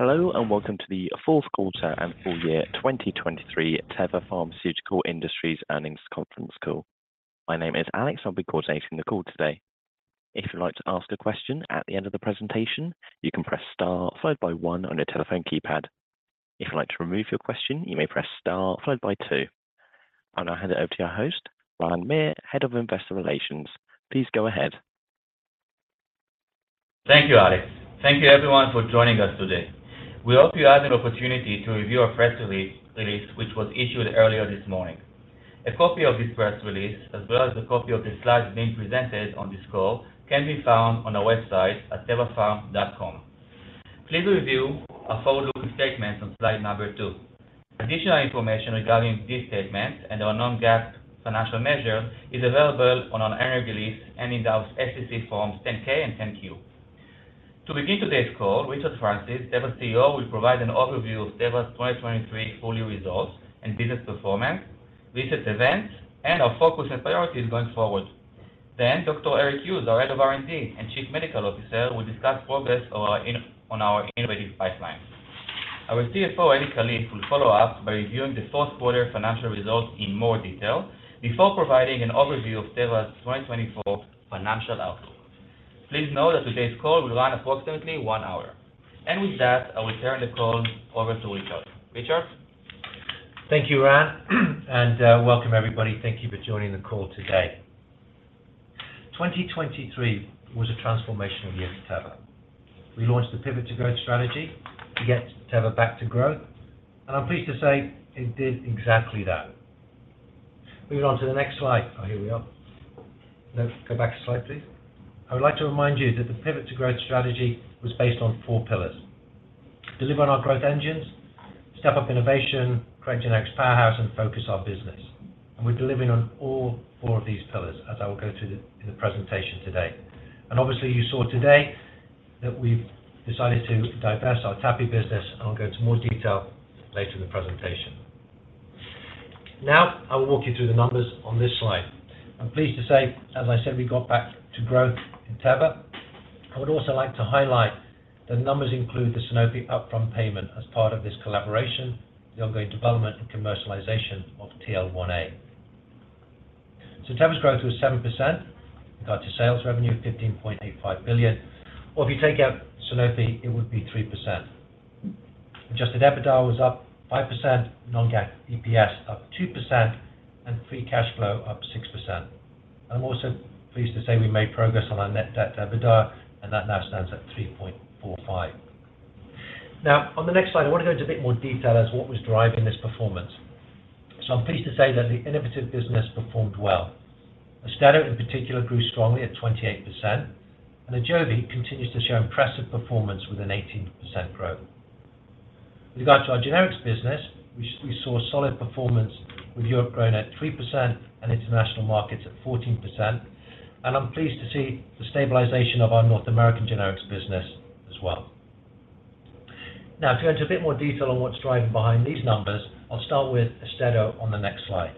Hello, and welcome to the fourth quarter and full year 2023 Teva Pharmaceutical Industries Earnings Conference Call. My name is Alex, I'll be coordinating the call today. If you'd like to ask a question at the end of the presentation, you can press Star followed by one on your telephone keypad. If you'd like to remove your question, you may press Star followed by two. I'll now hand it over to our host, Ran Meir, Head of Investor Relations. Please go ahead. Thank you, Alex. Thank you, everyone, for joining us today. We hope you had an opportunity to review our press release, which was issued earlier this morning. A copy of this press release, as well as a copy of the slides being presented on this call, can be found on our website at tevapharma.com. Please review our forward-looking statements on slide 2. Additional information regarding these statements and our non-GAAP financial measure is available on our annual release and in the SEC forms 10-K and 10-Q. To begin today's call, Richard Francis, Teva's CEO, will provide an overview of Teva's 2023 full year results and business performance, recent events, and our focus and priorities going forward. Then Dr. Eric Hughes, our Head of R&D and Chief Medical Officer, will discuss progress on our innovative pipeline. Our CFO, Eli Kalif, will follow up by reviewing the fourth quarter financial results in more detail before providing an overview of Teva's 2024 financial outlook. Please note that today's call will run approximately one hour. With that, I will turn the call over to Richard. Richard? Thank you, Ran, and welcome, everybody. Thank you for joining the call today. 2023 was a transformational year for Teva. We launched the Pivot to Growth strategy to get Teva back to growth, and I'm pleased to say it did exactly that. Moving on to the next slide. Oh, here we are. Let's go back a slide, please. I would like to remind you that the Pivot to Growth strategy was based on four pillars: deliver on our growth engines, step up innovation, create generics powerhouse, and focus our business. And we're delivering on all four of these pillars, as I will go through in the presentation today. And obviously, you saw today that we've decided to divest our TAPI business, and I'll go into more detail later in the presentation. Now, I will walk you through the numbers on this slide. I'm pleased to say, as I said, we got back to growth in Teva. I would also like to highlight that numbers include the Sanofi upfront payment as part of this collaboration, the ongoing development and commercialization of TL1A. So Teva's growth was 7%. We got to sales revenue of $15.85 billion, or if you take out Sanofi, it would be 3%. Adjusted EBITDA was up 5%, non-GAAP EPS up 2%, and free cash flow up 6%. I'm also pleased to say we made progress on our net debt to EBITDA, and that now stands at 3.45. Now, on the next slide, I want to go into a bit more detail as what was driving this performance. So I'm pleased to say that the innovative business performed well. AUSTEDO, in particular, grew strongly at 28%, and AJOVY continues to show impressive performance with an 18% growth. With regard to our generics business, we saw solid performance, with Europe growing at 3% and international markets at 14%, and I'm pleased to see the stabilization of our North American generics business as well. Now, to go into a bit more detail on what's driving behind these numbers, I'll start with AUSTEDO on the next slide.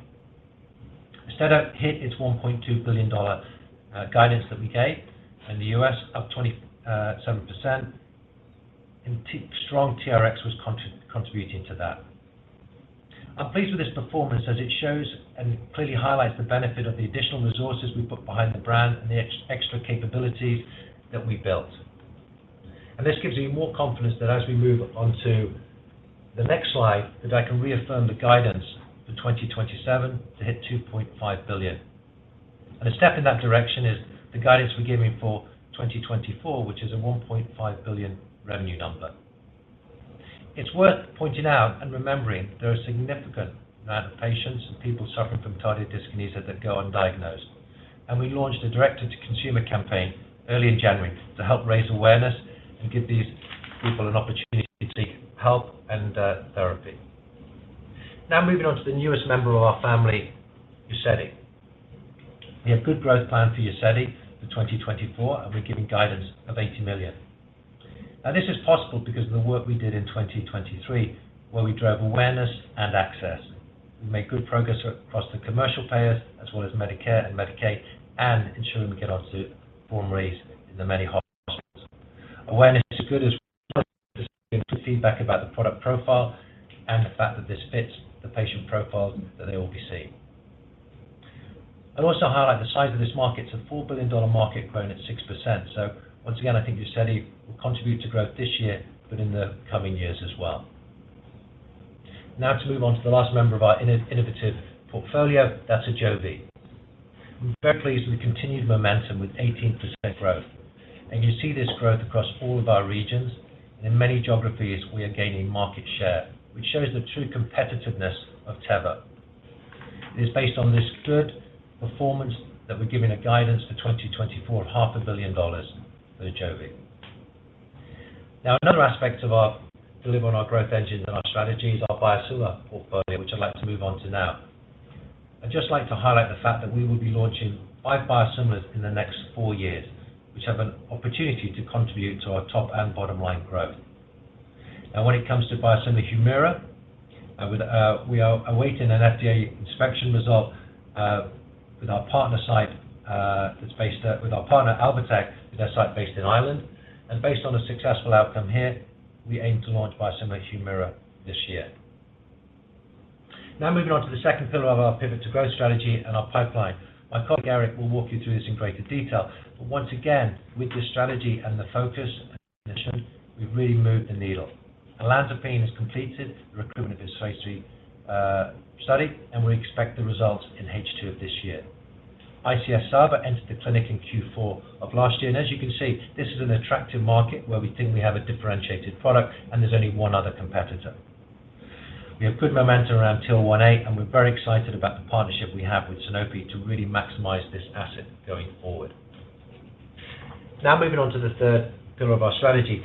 AUSTEDO hit its $1.2 billion guidance that we gave, and the US up 27%, and strong TRX was contributing to that. I'm pleased with this performance as it shows and clearly highlights the benefit of the additional resources we put behind the brand and the extra capabilities that we built. And this gives me more confidence that as we move on to the next slide, that I can reaffirm the guidance for 2027 to hit $2.5 billion. A step in that direction is the guidance we're giving for 2024, which is a $1.5 billion revenue number. It's worth pointing out and remembering there are a significant amount of patients and people suffering from Tardive Dyskinesia that go undiagnosed, and we launched a direct-to-consumer campaign early in January to help raise awareness and give these people an opportunity to seek help and therapy. Now, moving on to the newest member of our family, UZEDY. We have a good growth plan for UZEDY for 2024, and we're giving guidance of $80 million. Now, this is possible because of the work we did in 2023, where we drove awareness and access. We made good progress across the commercial payers, as well as Medicare and Medicaid, and ensuring we get onto formularies in the many hospitals. Awareness is good as feedback about the product profile and the fact that this fits the patient profiles that they obviously see. I'd also highlight the size of this market. It's a $4 billion market growing at 6%. So once again, I think UZEDY will contribute to growth this year, but in the coming years as well. Now, to move on to the last member of our innovative portfolio, that's AJOVY. We're very pleased with the continued momentum with 18% growth, and you see this growth across all of our regions. In many geographies, we are gaining market share, which shows the true competitiveness of Teva. It is based on this good performance that we're giving guidance for 2024, $500 million for AJOVY. Now, another aspect of our deliver on our growth engines and our strategy is our biosimilar portfolio, which I'd like to move on to now. I'd just like to highlight the fact that we will be launching 5 biosimilars in the next 4 years, which have an opportunity to contribute to our top and bottom line growth. Now, when it comes to biosimilar Humira. We are awaiting an FDA inspection result with our partner site that's based at with our partner Alvotech with their site based in Iceland. And based on a successful outcome here, we aim to launch biosimilar Humira this year. Now moving on to the second pillar of our Pivot to Growth strategy and our pipeline. My colleague, Eric, will walk you through this in greater detail. But once again, with this strategy and the focus and mission, we've really moved the needle. olanzapine has completed the recruitment of its phase 3 study, and we expect the results in H2 of this year. ICS/SABA entered the clinic in Q4 of last year, and as you can see, this is an attractive market where we think we have a differentiated product and there's only one other competitor. We have good momentum around TL1A, and we're very excited about the partnership we have with Sanofi to really maximize this asset going forward. Now, moving on to the third pillar of our strategy,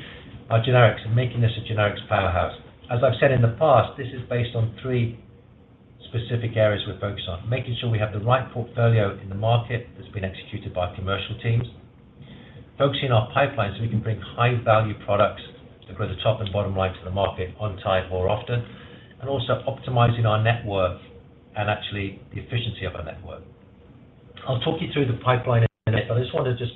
our generics, and making this a generics powerhouse. As I've said in the past, this is based on three specific areas we're focused on. Making sure we have the right portfolio in the market that's been executed by commercial teams. Focusing our pipeline so we can bring high-value products across the top and bottom right to the market on time, more often, and also optimizing our network and actually the efficiency of our network. I'll talk you through the pipeline in a minute, but I just wanted to just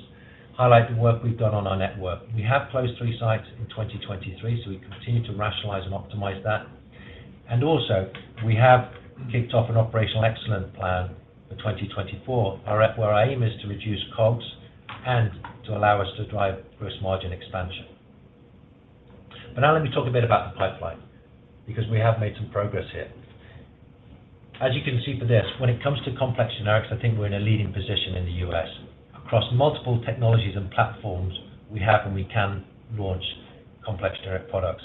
highlight the work we've done on our network. We have closed three sites in 2023, so we continue to rationalize and optimize that. Also, we have kicked off an operational excellence plan for 2024. Our where our aim is to reduce COGS and to allow us to drive gross margin expansion. But now let me talk a bit about the pipeline, because we have made some progress here. As you can see by this, when it comes to complex generics, I think we're in a leading position in the U.S. Across multiple technologies and platforms we have and we can launch complex generic products.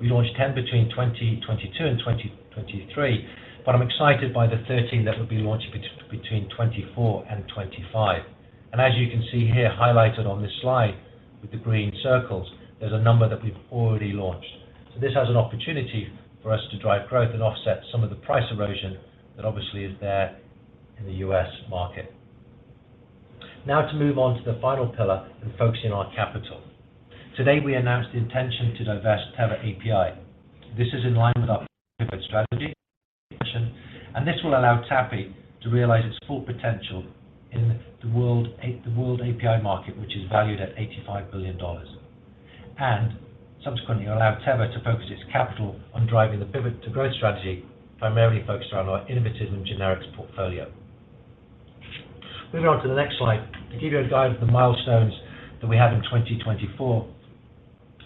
We launched 10 between 2022 and 2023, but I'm excited by the 13 that will be launching between 2024 and 2025. And as you can see here, highlighted on this slide with the green circles, there's a number that we've already launched. So this has an opportunity for us to drive growth and offset some of the price erosion that obviously is there in the U.S. market. Now, to move on to the final pillar and focusing on capital. Today, we announced the intention to divest Teva API. This is in line with our pivot strategy, and this will allow Teva to realize its full potential in the worldwide API market, which is valued at $85 billion, and subsequently allow Teva to focus its capital on driving the pivot to growth strategy, primarily focused on our innovative and generics portfolio. Moving on to the next slide, to give you a guide of the milestones that we have in 2024,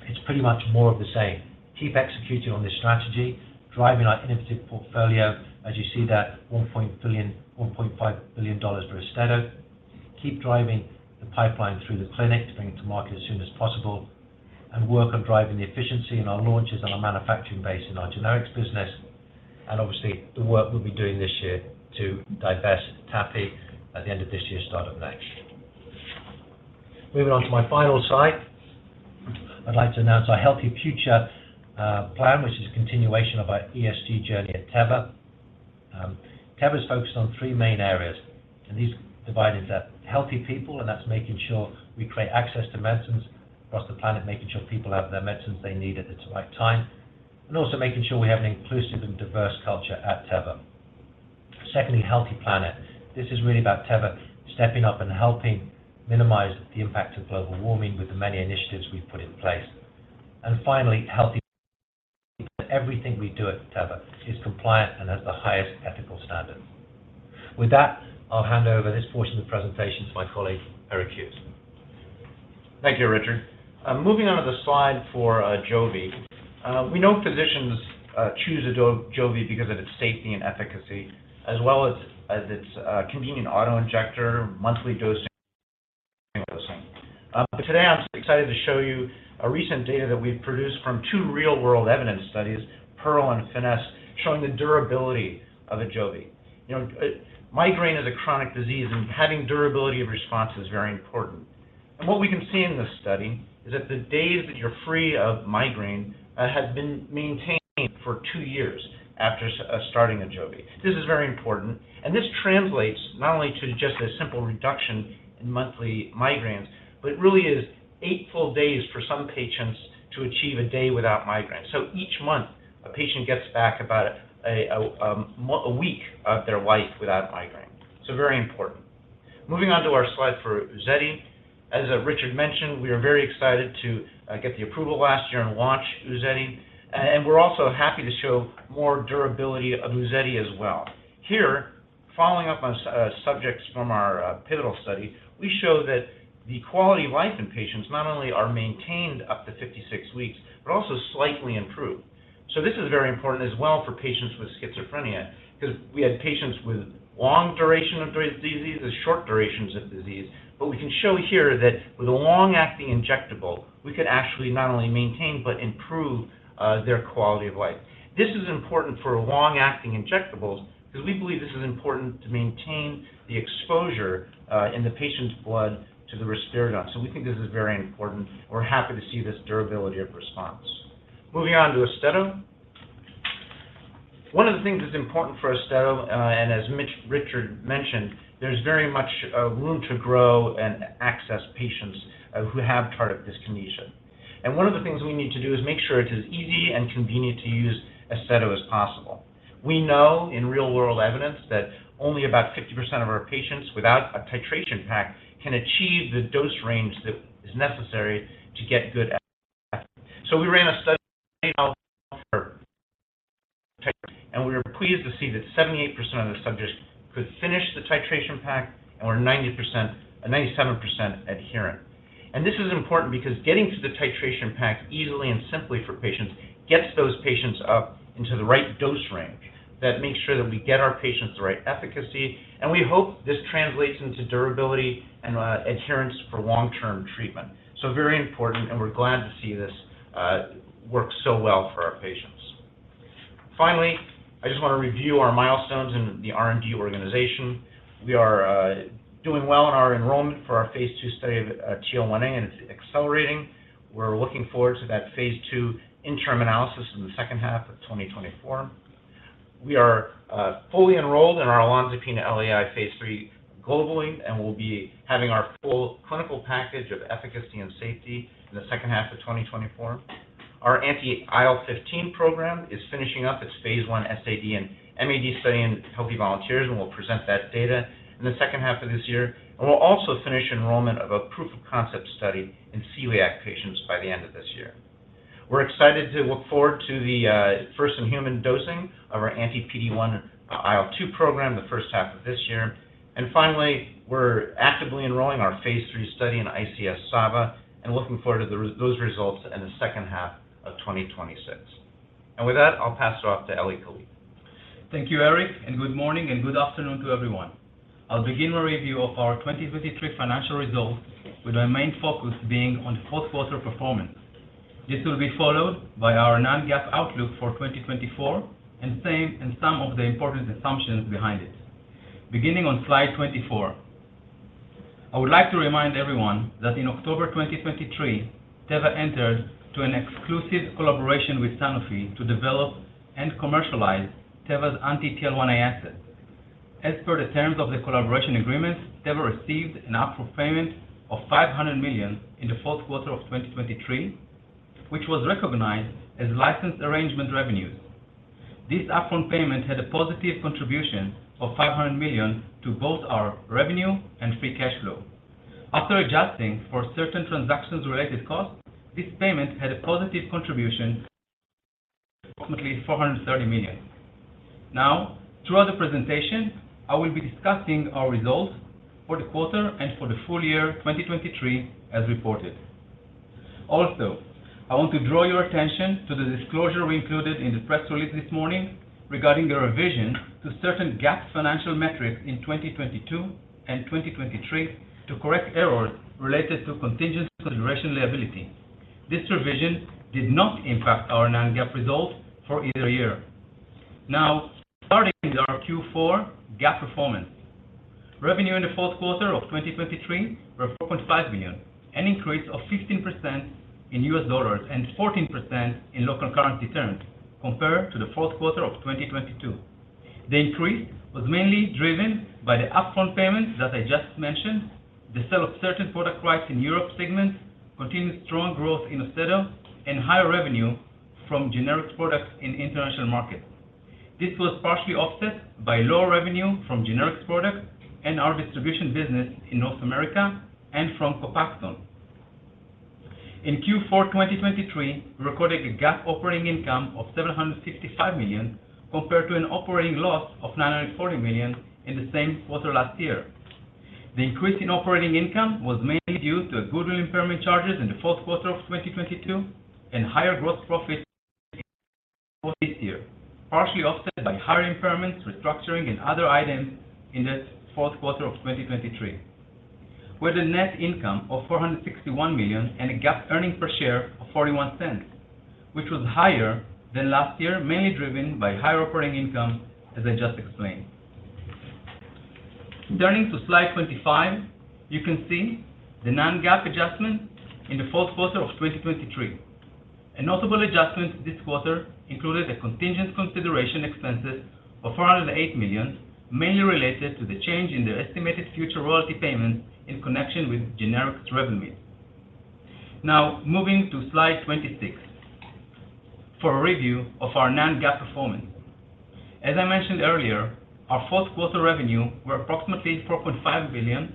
it's pretty much more of the same. Keep executing on this strategy, driving our innovative portfolio. As you see that $1 billion-$1.5 billion for AUSTEDO, keep driving the pipeline through the clinic to bring it to market as soon as possible, and work on driving the efficiency in our launches and our manufacturing base in our generics business, and obviously, the work we'll be doing this year to divest TAPI at the end of this year, start of next year. Moving on to my final slide, I'd like to announce our Healthy Future plan, which is a continuation of our ESG journey at Teva. Teva is focused on three main areas, and these divide into healthy people, and that's making sure we create access to medicines across the planet, making sure people have the medicines they need at the right time, and also making sure we have an inclusive and diverse culture at Teva. Secondly, healthy planet. This is really about Teva stepping up and helping minimize the impact of global warming with the many initiatives we've put in place. And finally, everything we do at Teva is compliant and has the highest ethical standards. With that, I'll hand over this portion of the presentation to my colleague, Eric Hughes. Thank you, Richard. Moving on to the slide for AJOVY. We know physicians choose AJOVY because of its safety and efficacy, as well as its convenient auto-injector, monthly dosing. But today, I'm excited to show you recent data that we've produced from two real-world evidence studies, PEARL and FINESSE, showing the durability of AJOVY. You know, migraine is a chronic disease, and having durability of response is very important. And what we can see in this study is that the days that you're free of migraine has been maintained for two years after starting AJOVY. This is very important, and this translates not only to just a simple reduction in monthly migraines, but really is eight full days for some patients to achieve a day without migraines. So each month, a patient gets back about a week of their life without migraine. So very important. Moving on to our slide for UZEDY. As Richard mentioned, we are very excited to get the approval last year and launch UZEDY, and we're also happy to show more durability of UZEDY as well. Here, following up on subjects from our pivotal study, we show that the quality of life in patients not only are maintained up to 56 weeks, but also slightly improved. So this is very important as well for patients with schizophrenia, because we had patients with long duration of disease and short durations of disease, but we can show here that with a long-acting injectable, we could actually not only maintain but improve their quality of life. This is important for long-acting injectables because we believe this is important to maintain the exposure in the patient's blood to the risperidone. So we think this is very important, and we're happy to see this durability of response. Moving on to AUSTEDO. One of the things that's important for AUSTEDO, and as Rich, Richard mentioned, there's very much room to grow and access patients who have tardive dyskinesia. And one of the things we need to do is make sure it is easy and convenient to use AUSTEDO as possible. We know in real-world evidence that only about 50% of our patients without a titration pack can achieve the dose range that is necessary to get good at. So we ran a study, and we were pleased to see that 78% of the subjects could finish the titration pack and were ninety-seven percent adherent. And this is important because getting to the titration pack easily and simply for patients, gets those patients up into the right dose range. That makes sure that we get our patients the right efficacy, and we hope this translates into durability and adherence for long-term treatment. So very important, and we're glad to see this work so well for our patients. Finally, I just want to review our milestones in the R&D organization. We are doing well in our enrollment for our Phase 2 study of TL1A, and it's accelerating. We're looking forward to that Phase 2 interim analysis in the second half of 2024. We are fully enrolled in our olanzapine LAI phase 3 globally, and we'll be having our full clinical package of efficacy and safety in the second half of 2024. Our anti-IL-15 program is finishing up its phase 1 SAD and MAD study in healthy volunteers, and we'll present that data in the second half of this year. We'll also finish enrollment of a proof-of-concept study in celiac patients by the end of this year. We're excited to look forward to the first-in-human dosing of our anti-PD-1 IL-2 program, the first half of this year. And finally, we're actively enrolling our phase 3 study in ICS/SABA and looking forward to those results in the second half of 2026. And with that, I'll pass it off to Eli Kalif. Thank you, Eric, and good morning, and good afternoon to everyone. I'll begin my review of our 2023 financial results, with our main focus being on fourth quarter performance. This will be followed by our non-GAAP outlook for 2024, and same, and some of the important assumptions behind it. Beginning on slide 24. I would like to remind everyone that in October 2023, Teva entered into an exclusive collaboration with Sanofi to develop and commercialize Teva's anti-TL1A asset. As per the terms of the collaboration agreement, Teva received an upfront payment of $500 million in the fourth quarter of 2023, which was recognized as licensed arrangement revenues. This upfront payment had a positive contribution of $500 million to both our revenue and free cash flow. After adjusting for certain transactions-related costs, this payment had a positive contribution, approximately $430 million. Now, throughout the presentation, I will be discussing our results for the quarter and for the full year 2023, as reported. Also, I want to draw your attention to the disclosure we included in the press release this morning regarding the revision to certain GAAP financial metrics in 2022 and 2023 to correct errors related to contingent consideration liability. This revision did not impact our non-GAAP results for either year. Now, starting with our Q4 GAAP performance. Revenue in the fourth quarter of 2023 were $4.5 billion, an increase of 15% in US dollars and 14% in local currency terms compared to the fourth quarter of 2022. The increase was mainly driven by the upfront payments that I just mentioned, the sale of certain product rights in Europe segments, continued strong growth in AUSTEDO, and higher revenue from generics products in international markets. This was partially offset by lower revenue from generics products and our distribution business in North America and from Copaxone. In Q4 2023, we recorded a GAAP operating income of $755 million, compared to an operating loss of $940 million in the same quarter last year. The increase in operating income was mainly due to goodwill impairment charges in the fourth quarter of 2022 and higher gross proft this year, partially offset by higher impairments, restructuring, and other items in the fourth quarter of 2023, with a net income of $461 million and a GAAP EPS of $0.41, which was higher than last year, mainly driven by higher operating income, as I just explained. Turning to Slide 25, you can see the non-GAAP adjustments in the fourth quarter of 2023. A notable adjustment this quarter included a contingent consideration expense of $408 million, mainly related to the change in the estimated future royalty payments in connection with generics revenue. Now, moving to Slide 26, for a review of our non-GAAP performance. As I mentioned earlier, our fourth quarter revenue was approximately $4.5 billion.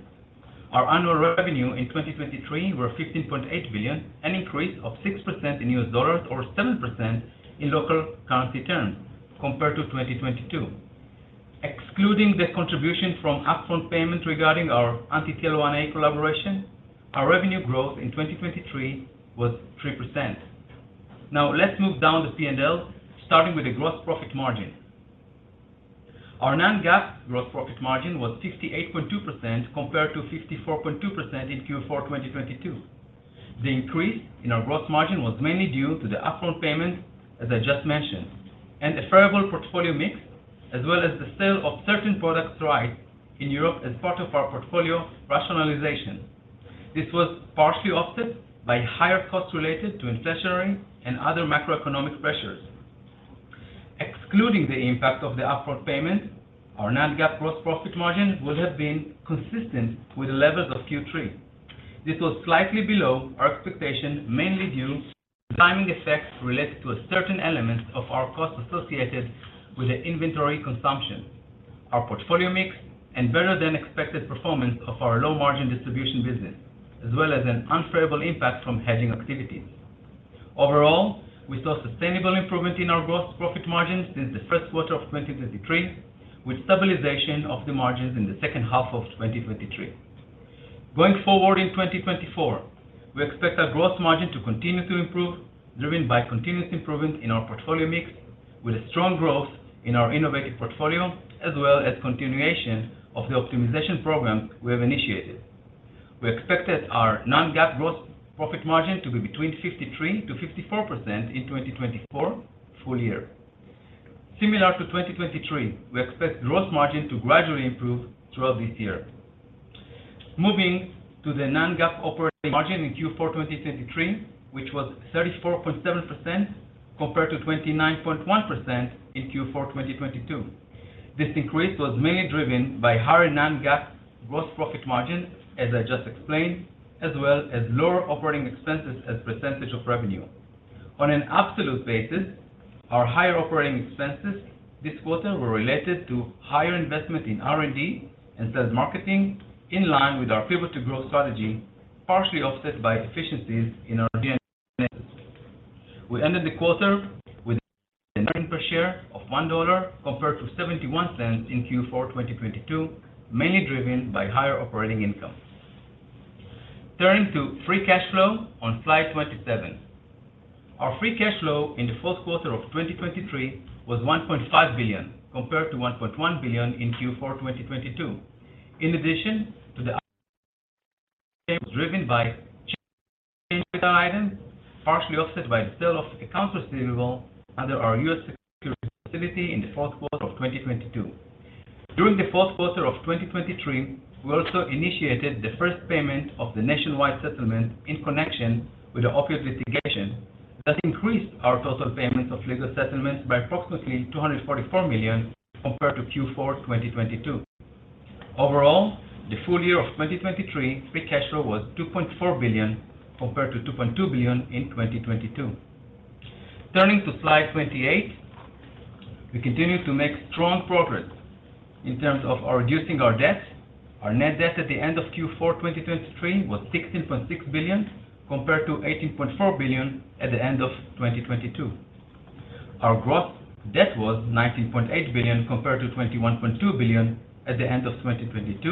Our annual revenue in 2023 was $15.8 billion, an increase of 6% in US dollars or 7% in local currency terms compared to 2022. Excluding the contribution from upfront payment regarding our anti-TL1A collaboration, our revenue growth in 2023 was 3%. Now, let's move down the P&L, starting with the gross profit margin. Our non-GAAP gross profit margin was 68.2%, compared to 54.2% in Q4 2022. The increase in our gross margin was mainly due to the upfront payment, as I just mentioned, and a favorable portfolio mix, as well as the sale of certain products right in Europe as part of our portfolio rationalization. This was partially offset by higher costs related to inflationary and other macroeconomic pressures. Excluding the impact of the upfront payment, our non-GAAP gross profit margin would have been consistent with the levels of Q3. This was slightly below our expectation, mainly due to timing effects related to a certain element of our costs associated with the inventory consumption, our portfolio mix, and better-than-expected performance of our low-margin distribution business, as well as an unfavorable impact from hedging activities. Overall, we saw sustainable improvement in our gross profit margin since the first quarter of 2023, with stabilization of the margins in the second half of 2023. Going forward in 2024, we expect our gross margin to continue to improve, driven by continuous improvement in our portfolio mix, with a strong growth in our innovative portfolio, as well as continuation of the optimization program we have initiated. We expected our non-GAAP gross profit margin to be between 53%-54% in 2024 full year. Similar to 2023, we expect gross margin to gradually improve throughout this year. Moving to the non-GAAP operating margin in Q4 2023, which was 34.7%, compared to 29.1% in Q4 2022. This increase was mainly driven by higher non-GAAP gross profit margin, as I just explained, as well as lower operating expenses as a percentage of revenue. On an absolute basis, our higher operating expenses this quarter were related to higher investment in R&D and sales marketing, in line with our Pivot to Growth strategy, partially offset by efficiencies in our G&A. We ended the quarter with earnings per share of $1, compared to $0.71 in Q4 2022, mainly driven by higher operating income. Turning to free cash flow on Slide 27. Our free cash flow in the fourth quarter of 2023 was $1.5 billion, compared to $1.1 billion in Q4 2022. In addition, was driven by item, partially offset by the sale of accounts receivable under our U.S. securitization facility in the fourth quarter of 2022. During the fourth quarter of 2023, we also initiated the first payment of the nationwide settlement in connection with the opioid litigation. That increased our total payments of legal settlements by approximately $244 million compared to Q4 2022. Overall, the full year of 2023, free cash flow was $2.4 billion, compared to $2.2 billion in 2022. Turning to Slide 28, we continue to make strong progress in terms of reducing our debt. Our net debt at the end of Q4 2023 was $16.6 billion, compared to $18.4 billion at the end of 2022. Our gross debt was $19.8 billion, compared to $21.2 billion at the end of 2022.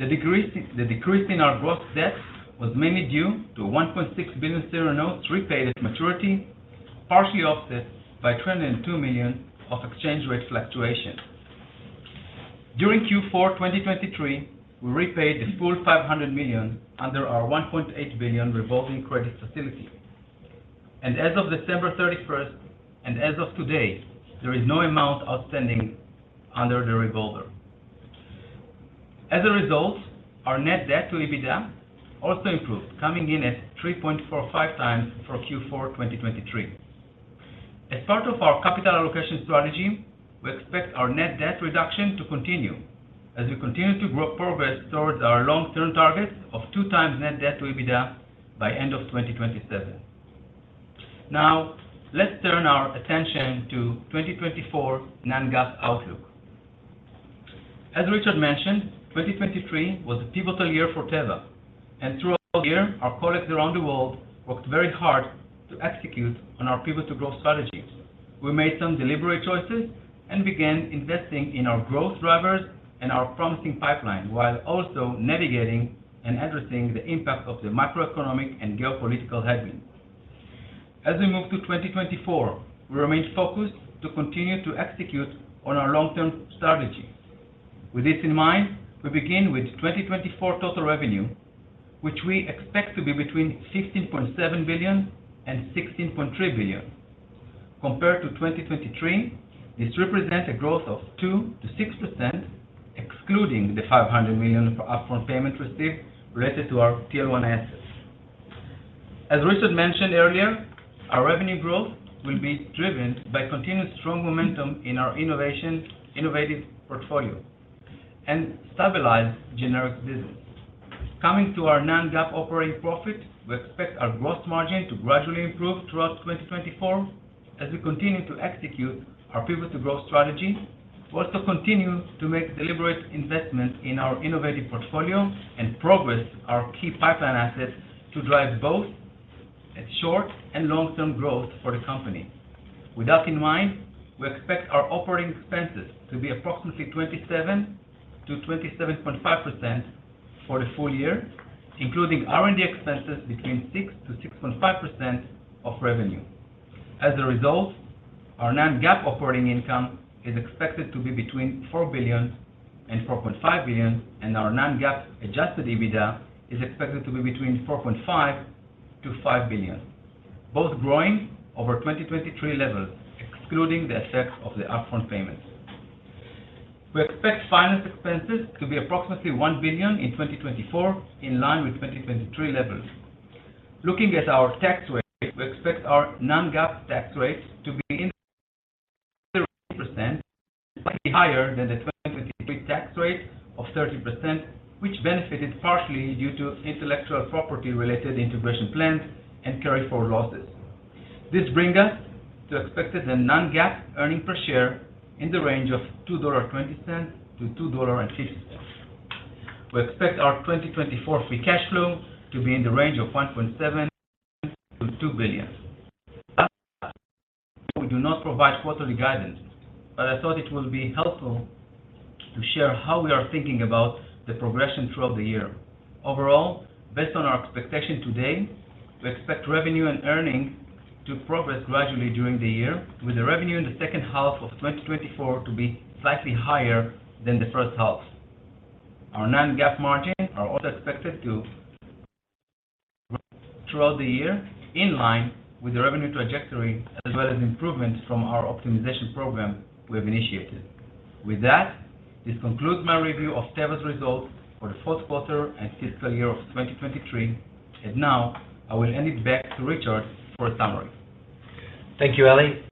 The decrease in our gross debt was mainly due to a $1.6 billion senior notes repaid at maturity, partially offset by $202 million of exchange rate fluctuations. During Q4 2023, we repaid the full $500 million under our $1.8 billion revolving credit facility. As of December 31 and as of today, there is no amount outstanding under the revolver. As a result, our net debt to EBITDA also improved, coming in at 3.45x for Q4 2023. As part of our capital allocation strategy, we expect our net debt reduction to continue as we continue to grow progress towards our long-term target of 2x net debt to EBITDA by end of 2027. Now, let's turn our attention to 2024 non-GAAP outlook. As Richard mentioned, 2023 was a pivotal year for Teva, and throughout the year, our colleagues around the world worked very hard to execute on our Pivot to Growth strategies. We made some deliberate choices and began investing in our growth drivers and our promising pipeline, while also navigating and addressing the impact of the macroeconomic and geopolitical headwinds. As we move to 2024, we remain focused to continue to execute on our long-term strategy. With this in mind, we begin with 2024 total revenue, which we expect to be between $16.7 billion and $16.3 billion. Compared to 2023, this represents a growth of 2%-6%, excluding the $500 million upfront payment received related to our TL1A asset. As Richard mentioned earlier, our revenue growth will be driven by continued strong momentum in our innovative portfolio and stabilized generic business. Coming to our non-GAAP operating profit, we expect our gross margin to gradually improve throughout 2024 as we continue to execute our Pivot to Growth strategy. We also continue to make deliberate investments in our innovative portfolio and progress our key pipeline assets to drive both at short and long-term growth for the company. With that in mind, we expect our operating expenses to be approximately 27%-27.5% for the full year, including R&D expenses between 6%-6.5% of revenue. As a result, our non-GAAP operating income is expected to be between $4 billion and $4.5 billion, and our non-GAAP adjusted EBITDA is expected to be between $4.5-$5 billion, both growing over 2023 levels, excluding the effect of the upfront payments. We expect finance expenses to be approximately $1 billion in 2024, in line with 2023 levels. Looking at our tax rate, we expect our non-GAAP tax rate to be 30%, slightly higher than the 2023 tax rate of 30%, which benefited partially due to intellectual property-related integration plans and carry forward losses. This brings us to the expected non-GAAP earnings per share in the range of $2.20 to $2.50. We expect our 2024 free cash flow to be in the range of $1.7-$2 billion. We do not provide quarterly guidance, but I thought it would be helpful to share how we are thinking about the progression throughout the year. Overall, based on our expectation today, we expect revenue and earnings to progress gradually during the year, with the revenue in the second half of 2024 to be slightly higher than the first half. Our non-GAAP margins are also expected to improve throughout the year, in line with the revenue trajectory, as well as improvements from our optimization program we have initiated. With that, this concludes my review of Teva's results for the fourth quarter and fiscal year of 2023. Now, I will hand it back to Richard for a summary. Thank you, Eli.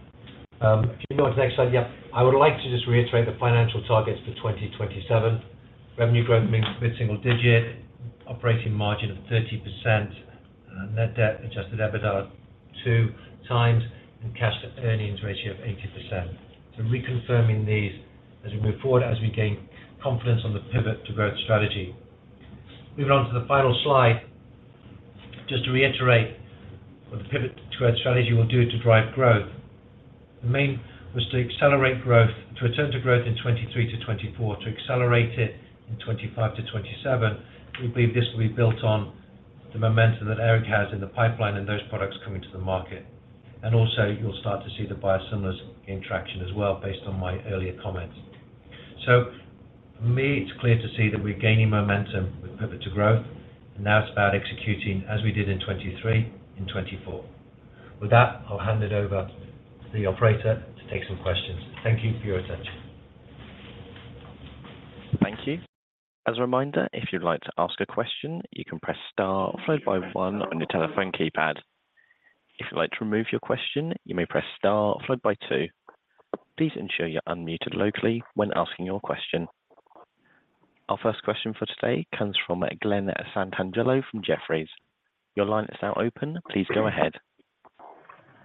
If you go to the next slide, yeah. I would like to just reiterate the financial targets for 2027. Revenue growth means mid-single digit, operating margin of 30%, net debt adjusted EBITDA 2x, and cash earnings ratio of 80%. So reconfirming these as we move forward, as we gain confidence on the Pivot to Growth strategy. Moving on to the final slide, just to reiterate what the Pivot to Growth strategy will do to drive growth. The main was to accelerate growth, to return to growth in 2023-2024, to accelerate it in 2025-2027. We believe this will be built on the momentum that Eric has in the pipeline and those products coming to the market. Also, you'll start to see the biosimilars gain traction as well, based on my earlier comments. For me, it's clear to see that we're gaining momentum with Pivot to Growth, and now it's about executing as we did in 2023, in 2024. With that, I'll hand it over to the operator to take some questions. Thank you for your attention. Thank you. As a reminder, if you'd like to ask a question, you can press star followed by one on your telephone keypad. If you'd like to remove your question, you may press star followed by two. Please ensure you're unmuted locally when asking your question. Our first question for today comes from Glenn Santangelo from Jefferies. Your line is now open. Please go ahead.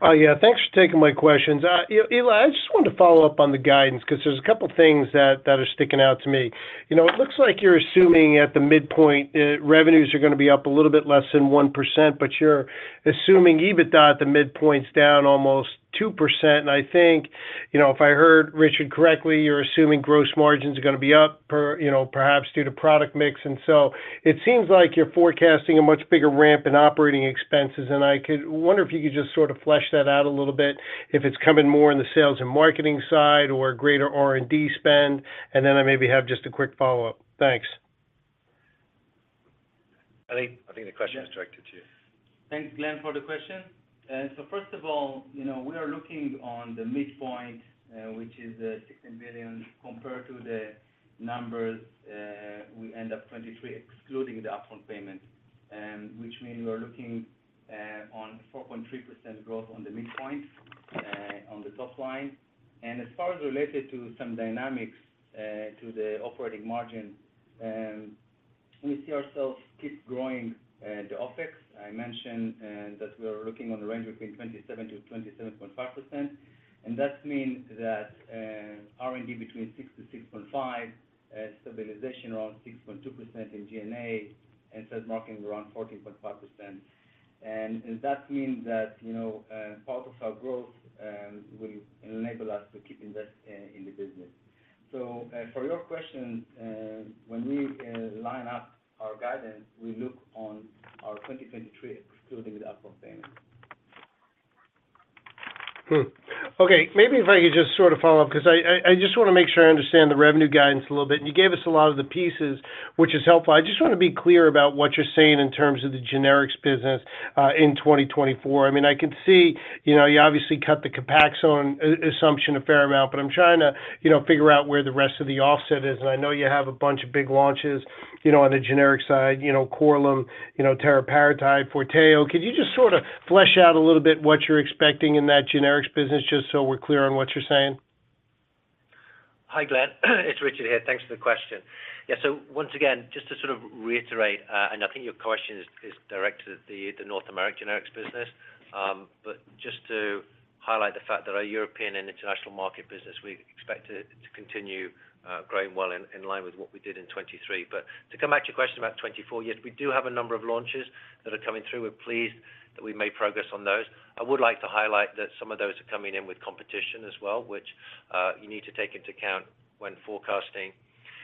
Yeah, thanks for taking my questions. Eli, I just wanted to follow up on the guidance, cause there's a couple things that are sticking out to me. You know, it looks like you're assuming at the midpoint, revenues are gonna be up a little bit less than 1%, but you're assuming EBITDA at the midpoint's down almost 2%. And I think, you know, if I heard Richard correctly, you're assuming gross margins are gonna be up, perhaps due to product mix. And so it seems like you're forecasting a much bigger ramp in operating expenses, and I wonder if you could just sort of flesh that out a little bit, if it's coming more on the sales and marketing side or greater R&D spend, and then I maybe have just a quick follow-up. Thanks. Eli, I think the question is directed to you. Thanks, Glenn, for the question. So first of all, you know, we are looking on the midpoint, which is $16 billion, compared to the numbers we end up 2023, excluding the upfront payment, which means we are looking on 4.3% growth on the midpoint on the top line. As far as related to some dynamics to the operating margin, we see ourselves keep growing the OpEx. I mentioned that we are looking on a range between 27%-27.5%, and that means that R&D between 6%-6.5%, stabilization around 6.2% in G&A, and sales marketing around 14.5%. That means that, you know, part of our growth will enable us to keep investing in the business. for your question, when we line up our guidance, we look on our 2023, excluding the upfront payment. Hmm. Okay, maybe if I could just sort of follow up, 'cause I just wanna make sure I understand the revenue guidance a little bit. And you gave us a lot of the pieces, which is helpful. I just want to be clear about what you're saying in terms of the generics business in 2024. I mean, I can see, you know, you obviously cut the Copaxone assumption a fair amount, but I'm trying to, you know, figure out where the rest of the offset is. And I know you have a bunch of big launches, you know, on the generic side, you know, Korlym, you know, teriparatide, Forteo. Could you just sort of flesh out a little bit what you're expecting in that generics business, just so we're clear on what you're saying? Hi, Glenn. It's Richard here. Thanks for the question. Yeah, so once again, just to sort of reiterate, and I think your question is directed at the North American generics business. But just to highlight the fact that our European and international market business, we expect it to continue growing well in line with what we did in 2023. But to come back to your question about 2024, yes, we do have a number of launches that are coming through. We're pleased that we've made progress on those. I would like to highlight that some of those are coming in with competition as well, which you need to take into account when forecasting.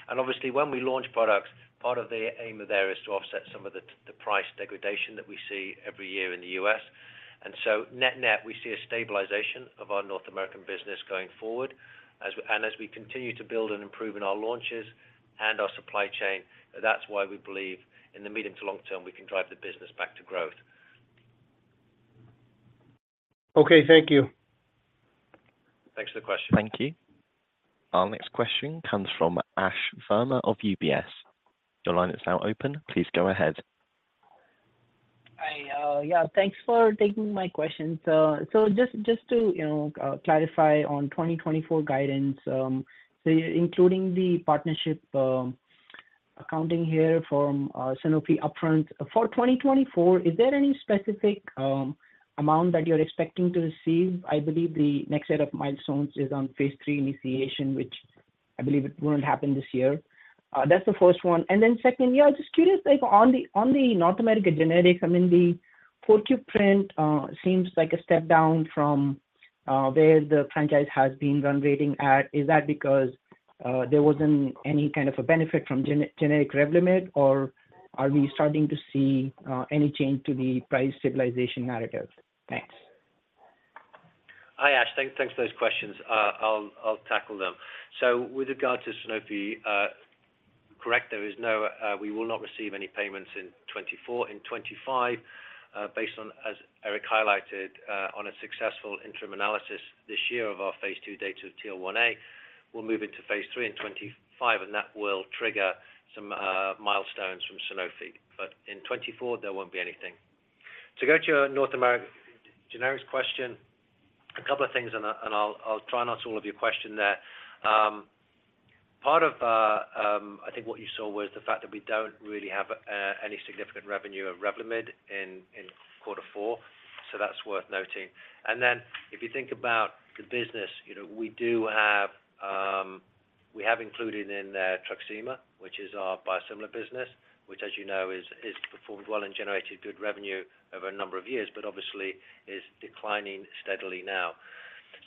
And obviously, when we launch products, part of the aim of there is to offset some of the price degradation that we see every year in the U.S. So net-net, we see a stabilization of our North American business going forward as we continue to build and improve in our launches and our supply chain. That's why we believe in the medium to long term, we can drive the business back to growth. ... Okay, thank you. Thanks for the question. Our next question comes from Ash Verma of UBS. Your line is now open. Please go ahead. Hi. Yeah, for taking my question. So just to, you know, clarify on 2024 guidance, so including the partnership accounting here from Sanofi upfront. For 2024, is there any specific amount that you're expecting to receive? I believe the next set of milestones is on phase 3 initiation, which I believe it won't happen this year. That's the first one. And then second, yeah, just curious, like on the North America generics, I mean, the footprint seems like a step down from where the franchise has been generating at. Is that because there wasn't any kind of a benefit from generic Revlimid, or are we starting to see any change to the price stabilization narrative? Thanks. Hi, Ash. Thanks for those questions. I'll tackle them. With regard to Sanofi, correct, there is no... We will not receive any payments in 2024. In 2025, based on, as Eric highlighted, on a successful interim analysis this year of our phase 2 data of TL1A, we'll move into phase 3 in 2025, and that will trigger some milestones from Sanofi. But in 2024, there won't be anything. To go to your North American generics question, a couple of things, and I'll try and answer all of your question there. Part of, I think what you saw was the fact that we don't really have any significant revenue of Revlimid in quarter four. So that's worth noting. And then if you think about the business, you know, we do have, we have included in there Truxima, which is our biosimilar business, which, as you know, is, is performed well and generated good revenue over a number of years, but obviously is declining steadily now.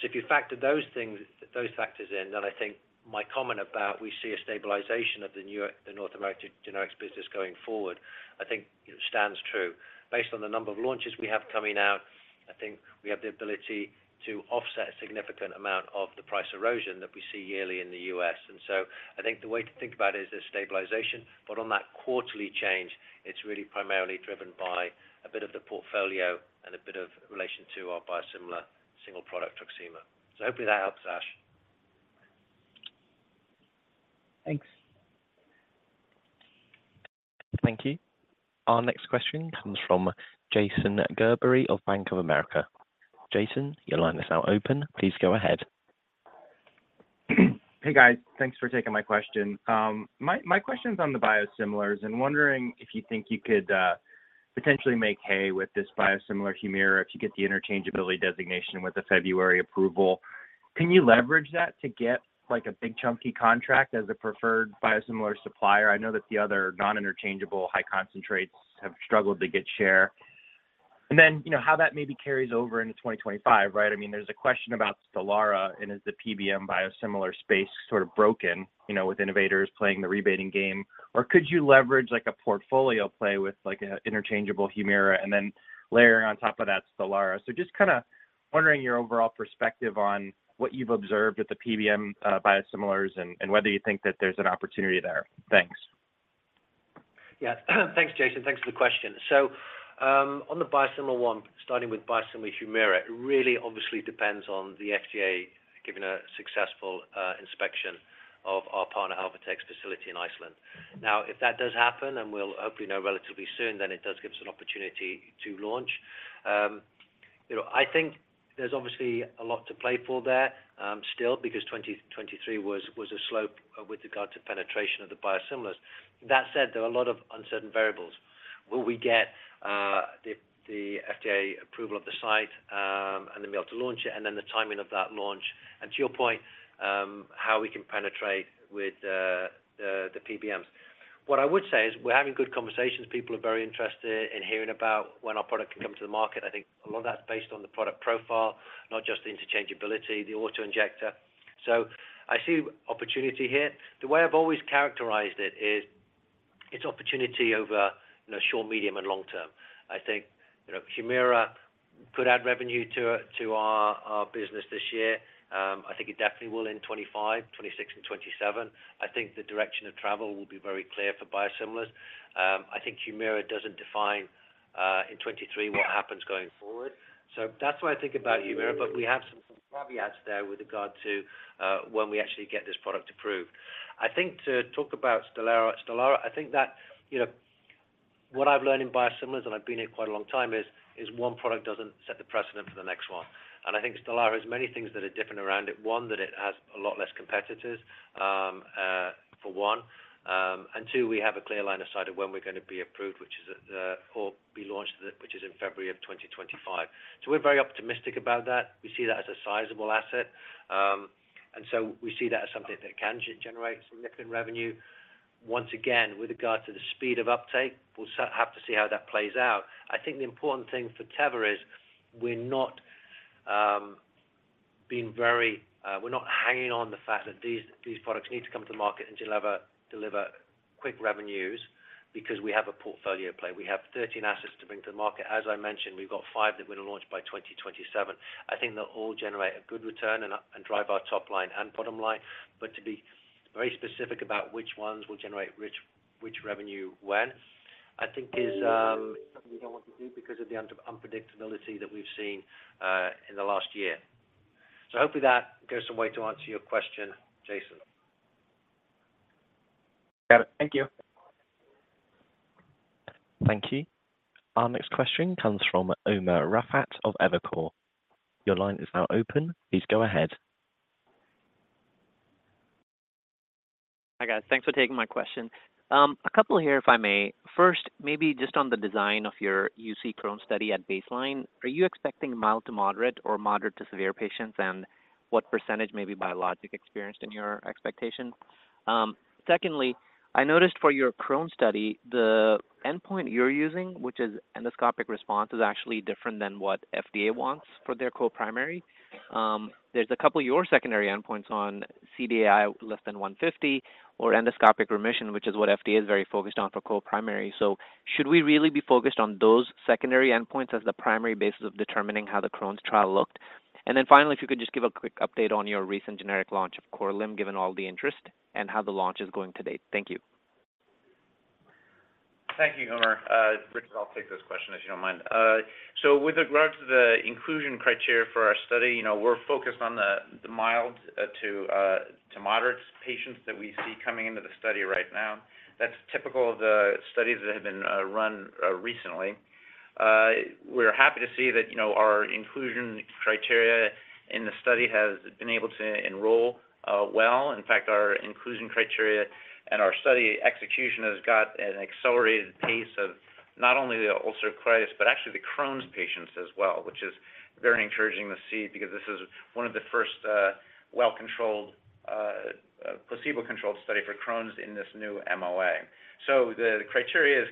So if you factor those things, those factors in, then I think my comment about we see a stabilization of the North American generics business going forward, I think stands true. Based on the number of launches we have coming out, I think we have the ability to offset a significant amount of the price erosion that we see yearly in the U.S. And so I think the way to think about it is a stabilization, but on that quarterly change, it's really primarily driven by a bit of the portfolio and a bit of relation to our biosimilar single product, Truxima. So hopefully that helps, Ash. Thanks. Thank you. Our next question comes from Jason Gerberry of Bank of America. Jason, your line is now open. Please go ahead. Hey, guys. Thanks for taking my question. My, my question is on the biosimilars. I'm wondering if you think you could potentially make hay with this biosimilar Humira if you get the interchangeability designation with the February approval. Can you leverage that to get, like, a big chunky contract as a preferred biosimilar supplier? I know that the other non-interchangeable high concentrates have struggled to get share. And then, you know, how that maybe carries over into 2025, right? I mean, there's a question about Stelara and is the PBM biosimilar space sort of broken, you know, with innovators playing the rebating game? Or could you leverage, like, a portfolio play with, like, an interchangeable Humira and then layering on top of that Stelara? Just kinda wondering your overall perspective on what you've observed with the PBM, biosimilars and whether you think that there's an opportunity there. Thanks. Yeah. Thanks, Jason. Thanks for the question. So, on the biosimilar one, starting with biosimilar Humira, it really obviously depends on the FDA giving a successful inspection of our partner, Alvotech facility in Iceland. Now, if that does happen, and we'll hopefully know relatively soon, then it does give us an opportunity to launch. You know, I think there's obviously a lot to play for there, still, because 2023 was a slope with regard to penetration of the biosimilars. That said, there are a lot of uncertain variables. Will we get the FDA approval of the site, and then be able to launch it, and then the timing of that launch? And to your point, how we can penetrate with the PBMs. What I would say is we're having good conversations. People are very interested in hearing about when our product can come to the market. I think a lot of that is based on the product profile, not just the interchangeability, the auto injector. So I see opportunity here. The way I've always characterized it is, it's opportunity over, you know, short, medium, and long term. I think, you know, Humira could add revenue to, to our, our business this year. I think it definitely will in 2025, 2026 and 2027. I think the direction of travel will be very clear for biosimilars. I think Humira doesn't define, in 2023 what happens going forward. So that's what I think about Humira, but we have some caveats there with regard to, when we actually get this product approved. I think to talk about Stelara. I think that, you know, what I've learned in biosimilars, and I've been here quite a long time, is one product doesn't set the precedent for the next one. I think Stelara has many things that are different around it. One, that it has a lot less competitors, for one. And two, we have a clear line of sight of when we're going to be launched, which is in February 2025. So we're very optimistic about that. We see that as a sizable asset. And so we see that as something that can generate significant revenue. Once again, with regard to the speed of uptake, we'll have to see how that plays out. I think the important thing for Teva is we're not being very-- we're not hanging on the fact that these, these products need to come to the market and deliver, deliver quick revenues because we have a portfolio play. We have 13 assets to bring to the market. As I mentioned, we've got five that we're going to launch by 2027. I think they'll all generate a good return and, and drive our top line and bottom line. But to be very specific about which ones will generate which, which revenue when? I think is something we don't want to do because of the unpredictability that we've seen in the last year. So hopefully that goes some way to answer your question, Jason. Got it. Thank you. Thank you. Our next question comes from Umer Raffat of Evercore. Your line is now open. Please go ahead. Hi, guys. Thanks for taking my question. A couple here, if I may. First, maybe just on the design of your UC Crohn's study at baseline, are you expecting mild to moderate or moderate to severe patients, and what percentage may be biologic experienced in your expectation? Secondly, I noticed for your Crohn's study, the endpoint you're using, which is endoscopic response, is actually different than what FDA wants for their co-primary. There's a couple of your secondary endpoints on CDAI, less than 150 or endoscopic remission, which is what FDA is very focused on for co-primary. So should we really be focused on those secondary endpoints as the primary basis of determining how the Crohn's trial looked? Then finally, if you could just give a quick update on your recent generic launch of Korlym, given all the interest and how the launch is going to date? Thank you. Thank you, Umer. Richard, I'll take this question, if you don't mind. So with regards to the inclusion criteria for our study, you know, we're focused on the mild to moderate patients that we see coming into the study right now. That's typical of the studies that have been run recently. We're happy to see that, you know, our inclusion criteria in the study has been able to enroll well. In fact, our inclusion criteria and our study execution has got an accelerated pace of not only the ulcerative colitis, but actually the Crohn's patients as well, which is very encouraging to see because this is one of the first well-controlled placebo-controlled study for Crohn's in this new MOA. So the criteria is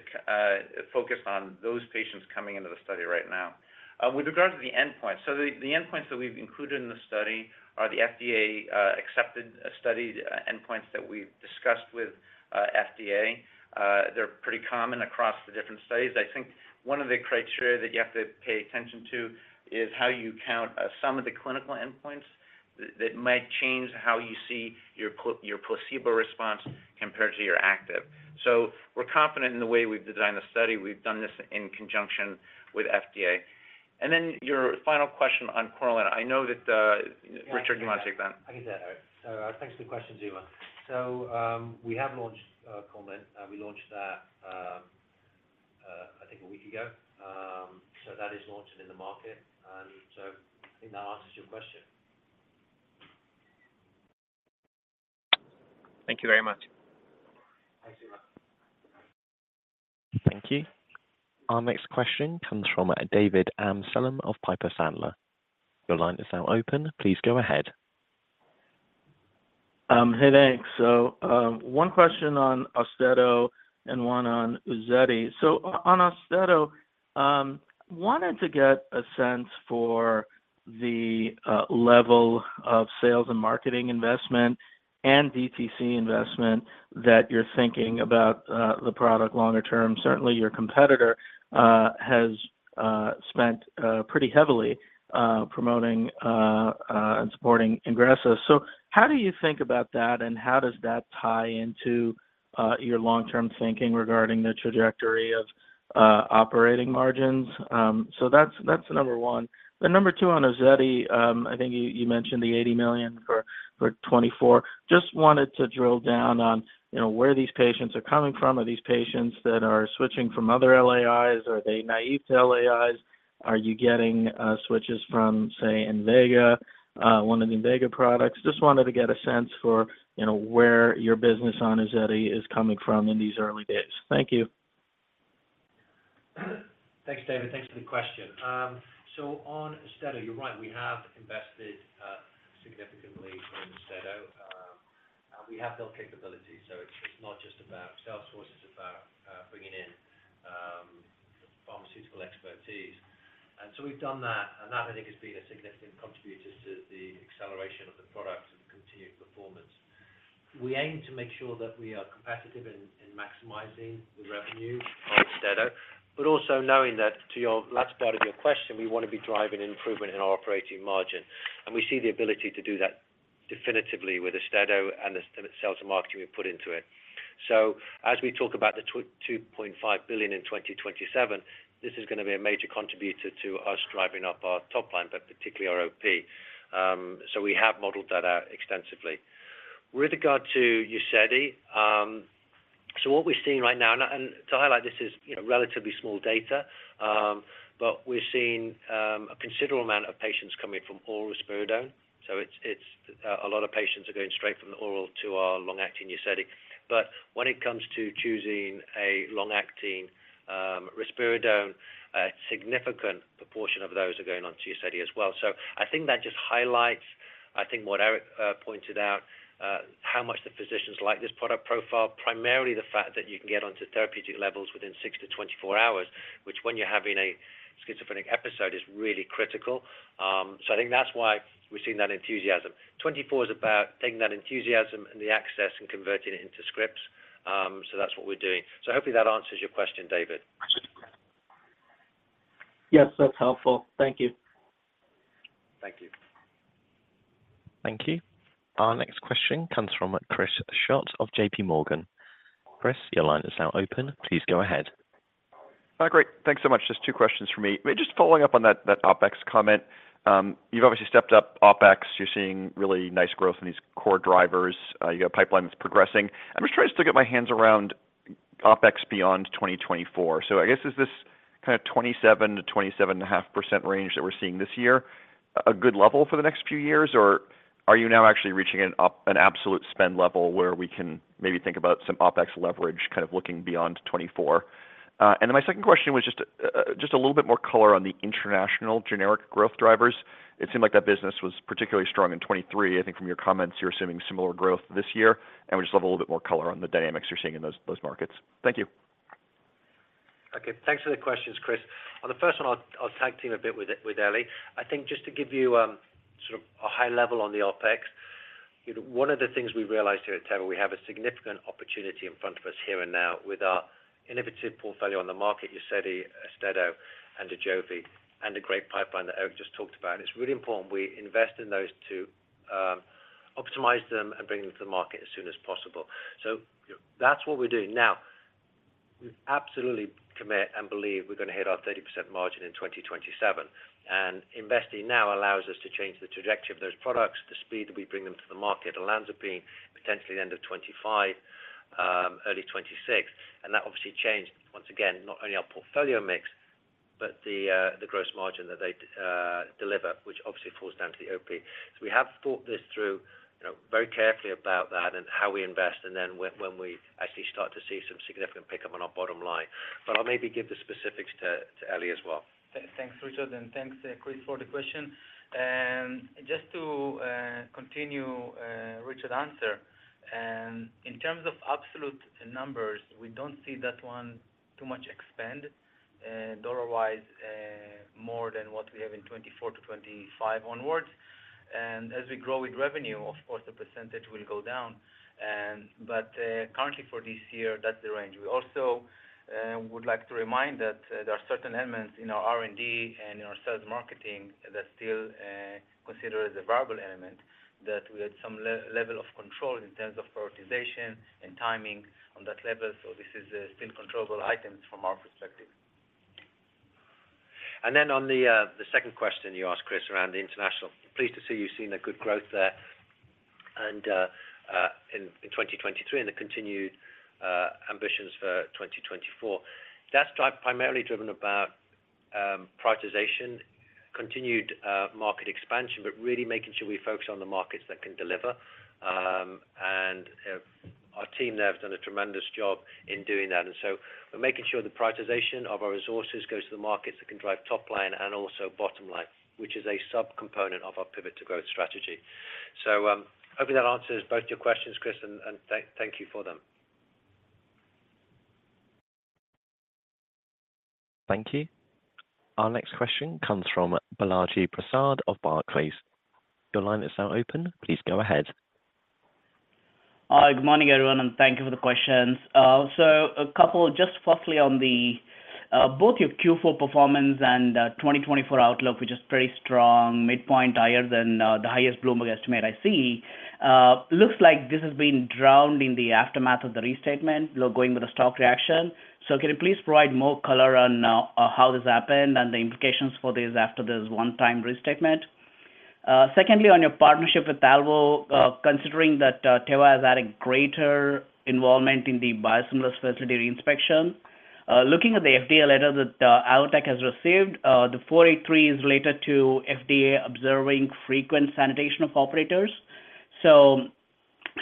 focused on those patients coming into the study right now. With regard to the endpoint, so the endpoints that we've included in the study are the FDA accepted study endpoints that we've discussed with FDA. They're pretty common across the different studies. I think one of the criteria that you have to pay attention to is how you count some of the clinical endpoints that might change how you see your placebo response compared to your active. So we're confident in the way we've designed the study. We've done this in conjunction with FDA. And then your final question on Korlym. I know that Richard, you want to take that? I can take that. Thanks for the questions, Omer. We have launched Korlym, and we launched that, I think, a week ago. That is launching in the market. So I think that answers your question. Thank you very much. Thanks, Umer. Thank you. Our next question comes from David Amsellem of Piper Sandler. Your line is now open. Please go ahead. Hey, thanks. So, one question on AUSTEDO and one on UZEDY. So on AUSTEDO, wanted to get a sense for the level of sales and marketing investment and DTC investment that you're thinking about the product longer term. Certainly your competitor has spent pretty heavily promoting and supporting Ingrezza. So how do you think about that, and how does that tie into your long-term thinking regarding the trajectory of operating margins? So that's number one. Then number two, on UZEDY, I think you mentioned the $80 million for 2024. Just wanted to drill down on, you know, where these patients are coming from. Are these patients that are switching from other LAIs? Are they naive to LAIs? Are you getting switches from, say, Invega, one of the Invega products? Just wanted to get a sense for, you know, where your business on UZEDY is coming from in these early days. Thank you. Thanks, David. Thanks for the question. So on AUSTEDO, you're right, we have invested significantly in AUSTEDO. We have built capabilities, so it's not just about sales force, it's about bringing in pharmaceutical expertise. And so we've done that, and that, I think, has been a significant contributor to the acceleration of the product and continued performance. We aim to make sure that we are competitive in maximizing the revenue on AUSTEDO, but also knowing that to your last part of your question, we want to be driving improvement in our operating margin, and we see the ability to do that definitively with AUSTEDO and the sales and marketing we put into it. So as we talk about the $2.5 billion in 2027, this is going to be a major contributor to us driving up our top line, but particularly our OP. So we have modeled that out extensively. With regard to UZEDY, so what we're seeing right now, and to highlight, this is, you know, relatively small data, but we're seeing a considerable amount of patients coming from oral risperidone. So it's a lot of patients are going straight from the oral to our long-acting UZEDY. But when it comes to choosing a long-acting risperidone, a significant proportion of those are going on to UZEDY as well. I think that just highlights what Eric pointed out how much the physicians like this product profile, primarily the fact that you can get onto therapeutic levels within 6-24 hours, which when you're having a schizophrenic episode, is really critical. So I think that's why we've seen that enthusiasm. 24 is about taking that enthusiasm and the access and converting it into scripts. So that's what we're doing. So hopefully that answers your question, David. Yes, that's helpful. Thank you.... Thank you. Our next question comes from Chris Schott of JPMorgan. Chris, your line is now open. Please go ahead. Great. Thanks so much. Just two questions for me. Just following up on that OpEx comment. You've obviously stepped up OpEx. You're seeing really nice growth in these core drivers. You got a pipeline that's progressing. I'm just trying to still get my hands around OpEx beyond 2024. So I guess, is this kind of 27%-27.5% range that we're seeing this year, a good level for the next few years? Or are you now actually reaching an absolute spend level where we can maybe think about some OpEx leverage, kind of looking beyond 2024? And then my second question was just a little bit more color on the international generic growth drivers. It seemed like that business was particularly strong in 2023. I think from your comments, you're assuming similar growth this year, and we just love a little bit more color on the dynamics you're seeing in those, those markets. Thank you. Okay, thanks for the questions, Chris. On the first one, I'll tag team a bit with Eli. I think just to give you sort of a high level on the OpEx, you know, one of the things we realized here at Teva, we have a significant opportunity in front of us here and now with our innovative portfolio on the market, UZEDY, AUSTEDO, and AJOVY, and a great pipeline that Eric just talked about. And it's really important we invest in those to optimize them and bring them to the market as soon as possible. So that's what we're doing. Now, we absolutely commit and believe we're going to hit our 30% margin in 2027. And investing now allows us to change the trajectory of those products, the speed that we bring them to the market. olanzapine, potentially the end of 2025, early 2026. That obviously changed, once again, not only our portfolio mix, but the gross margin that they deliver, which obviously falls down to the OP. We have thought this through, you know, very carefully about that and how we invest and then when we actually start to see some significant pickup on our bottom line. But I'll maybe give the specifics to Eli as well. Thanks, Richard, and thanks, Chris, for the question. Just to continue Richard's answer, in terms of absolute numbers, we don't see that one too much expand, dollar-wise, more than what we have in 2024 to 2025 onwards. And as we grow with revenue, of course, the percentage will go down, but currently for this year, that's the range. We also would like to remind that there are certain elements in our R&D and in our sales marketing that still consider as a variable element, that we had some level of control in terms of prioritization and timing on that level. So this is still controllable items from our perspective. And then on the second question you asked, Chris, around the international. Pleased to see you've seen a good growth there and in 2023 and the continued ambitions for 2024. That's primarily driven by prioritization, continued market expansion, but really making sure we focus on the markets that can deliver. And our team there have done a tremendous job in doing that. And so we're making sure the prioritization of our resources goes to the markets that can drive top line and also bottom line, which is a subcomponent of our Pivot to Growth strategy. So, hoping that answers both your questions, Chris, and thank you for them. Thank you. Our next question comes from Balaji Prasad of Barclays. Your line is now open. Please go ahead. Hi, good morning, everyone, and thank you for the questions. So a couple, just firstly on the both your Q4 performance and 2024 outlook, which is pretty strong, midpoint higher than the highest Bloomberg estimate I see. Looks like this has been drowned in the aftermath of the restatement, going with the stock reaction. So can you please provide more color on how this happened and the implications for this after this one-time restatement? Secondly, on your partnership with Alvotech, considering that Teva has had a greater involvement in the biosimilar inspection. Looking at the FDA letter that Alvotech has received, the 483 is related to FDA observing frequent sanitation of operators. So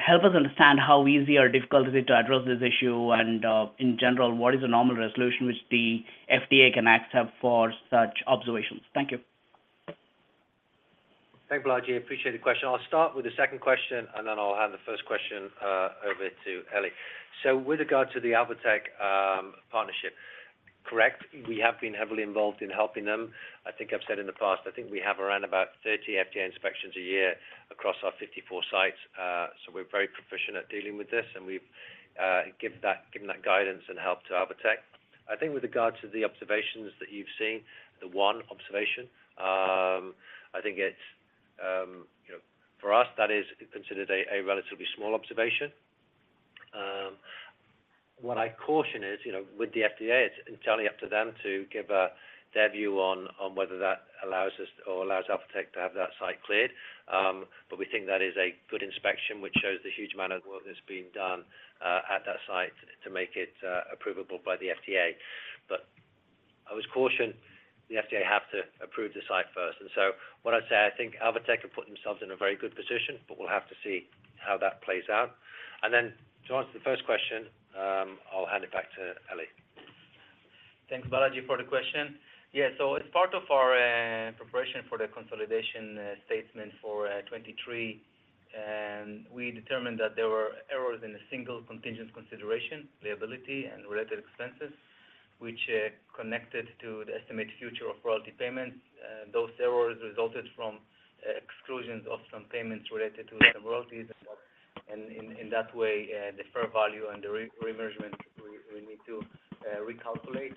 help us understand how easy or difficult is it to address this issue? In general, what is the normal resolution which the FDA can accept for such observations? Thank you. Thanks, Balaji. Appreciate the question. I'll start with the second question, and then I'll hand the first question over to Eli. So with regard to the Alvotech partnership, correct, we have been heavily involved in helping them. I think I've said in the past, I think we have around about 30 FDA inspections a year across our 54 sites. So we're very proficient at dealing with this, and we've given that guidance and help to Alvotech. I think with regards to the observations that you've seen, the one observation, I think it's, you know, for us, that is considered a relatively small observation. What I caution is, you know, with the FDA, it's entirely up to them to give their view on whether that allows us or allows Alvotech to have that site cleared. But we think that is a good inspection, which shows the huge amount of work that's being done at that site to make it approvable by the FDA. But I was cautioned the FDA have to approve the site first, and so what I'd say, I think Alvotech have put themselves in a very good position, but we'll have to see how that plays out. Then to answer the first question, I'll hand it back to Eli. Thanks, Balaji, for the question. Yeah, so as part of our preparation for the consolidation statement for 2023, and we determined that there were errors in a single contingent consideration liability, and related expenses, which connected to the estimated future of royalty payments. Those errors resulted from exclusions of some payments related to some royalties, and in that way, the fair value and the remeasurement, we need to recalculate.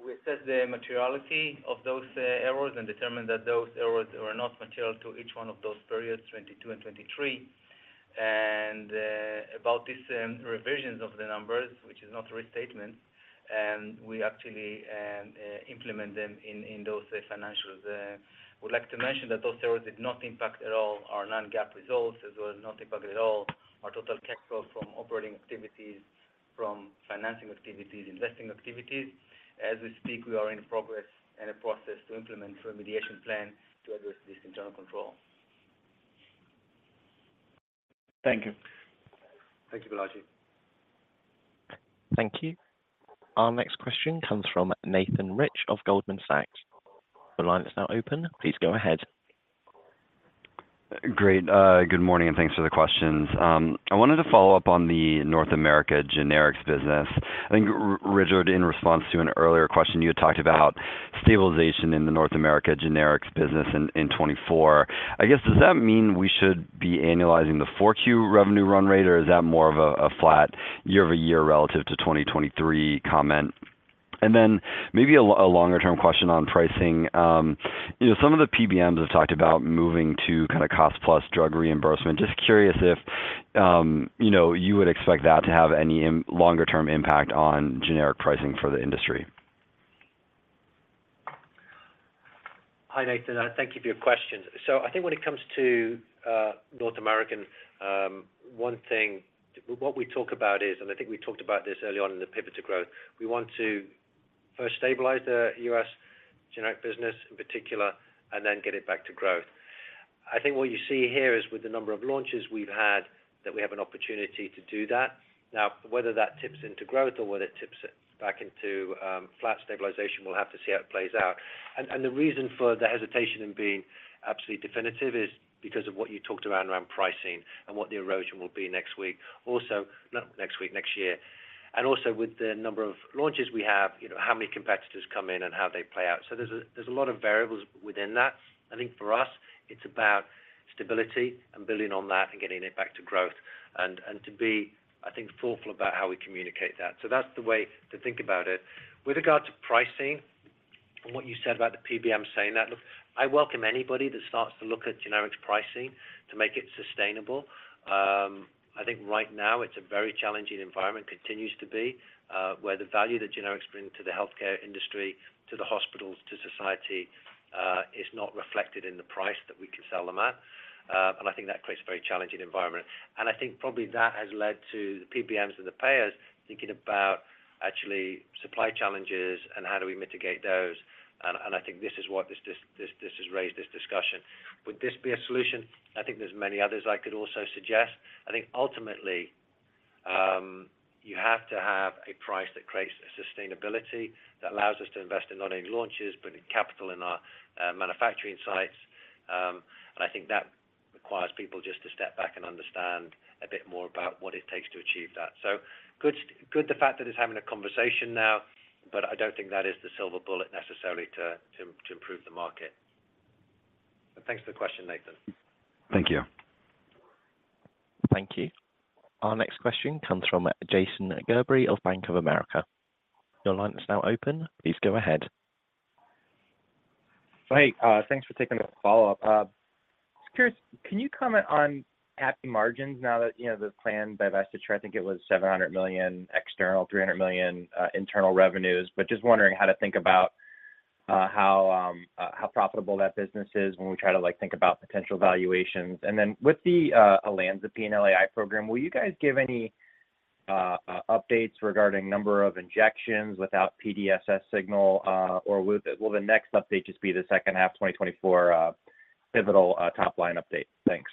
we assess the materiality of those errors and determine that those errors are not material to each one of those periods, 2022 and 2023. About this, revisions of the numbers, which is not a restatement, and we actually implement them in those financials. We'd like to mention that those errors did not impact at all our non-GAAP results, as well as not impact at all our total cash flow from operating activities, from financing activities, investing activities. As we speak, we are in progress and a process to implement a remediation plan to address this internal control. Thank you. Thank you, Balaji. Thank you. Our next question comes from Nathan Rich of Goldman Sachs. Your line is now open. Please go ahead. Great. Good morning, and thanks for the questions. I wanted to follow up on the North America generics business. I think, Richard, in response to an earlier question, you had talked about stabilization in the North America generics business in, in 2024. I guess, does that mean we should be annualizing the Q4 revenue run rate, or is that more of a, a flat year-over-year relative to 2023 comment? And then maybe a longer-term question on pricing. You know, some of the PBMs have talked about moving to kind of cost-plus drug reimbursement. Just curious if, you know, you would expect that to have any longer-term impact on generic pricing for the industry? Hi, Nathan. Thank you for your questions. So I think when it comes to North America, one thing, what we talk about is, and I think we talked about this early on in the Pivot to Growth, we want to first stabilize the U.S. generic business in particular, and then get it back to growth. I think what you see here is with the number of launches we've had, that we have an opportunity to do that. Now, whether that tips into growth or whether it tips it back into flat stabilization, we'll have to see how it plays out. And the reason for the hesitation in being absolutely definitive is because of what you talked around pricing and what the erosion will be next week. Also, not next week, next year. And also with the number of launches we have, you know, how many competitors come in and how they play out. So there's a lot of variables within that. I think for us, it's about stability and building on that and getting it back to growth and, and to be, I think, thoughtful about how we communicate that. So that's the way to think about it. With regard to pricing, and what you said about the PBM saying that, look, I welcome anybody that starts to look at generics pricing to make it sustainable. I think right now it's a very challenging environment, continues to be, where the value that generics bring to the healthcare industry, to the hospitals, to society, is not reflected in the price that we can sell them at. And I think that creates a very challenging environment. And I think probably that has led to the PBMs and the payers thinking about actually supply challenges and how do we mitigate those. And I think this is what this has raised, this discussion. Would this be a solution? I think there's many others I could also suggest. I think ultimately, you have to have a price that creates a sustainability, that allows us to invest in not only launches, but in capital in our manufacturing sites. And I think that requires people just to step back and understand a bit more about what it takes to achieve that. So good, the fact that it's having a conversation now, but I don't think that is the silver bullet necessarily to improve the market. Thanks for the question, Nathan. Thank you. Thank you. Our next question comes from Jason Gerberry of Bank of America. Your line is now open. Please go ahead. Hey, thanks for taking the follow-up. Just curious, can you comment on API margins now that, you know, the API divested, I think it was $700 million external, $300 million internal revenues, but just wondering how to think about how profitable that business is when we try to, like, think about potential valuations. And then with the olanzapine LAI program, will you guys give any updates regarding number of injections without PDSS signal, or will the next update just be the second half of 2024 pivotal top line update? Thanks.